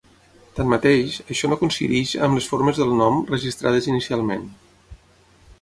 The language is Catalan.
Tanmateix, això no coincideix amb les formes del nom registrades inicialment.